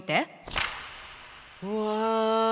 うわ！